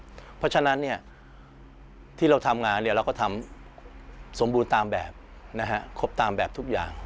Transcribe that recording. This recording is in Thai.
เพราะฉะนั้นที่เราทำงานเราก็ทำสมบูรณ์ตามแบบครบตามแบบทุกอย่าง